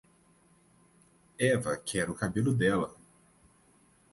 Eva quer o cabelo dela.